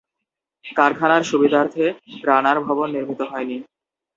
কারখানার সুবিধার্থে রানার ভবন নির্মিত হয়নি।